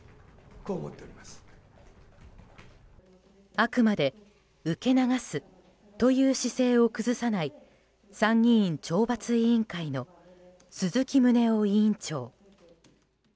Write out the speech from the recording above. あくまで受け流すという姿勢を崩さない参議院・懲罰委員会の鈴木宗男委員長。